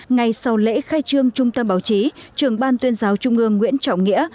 ngay sau lễ khai trương trung tâm báo chí trưởng ban tuyên giáo trung ương nguyễn trọng nghĩa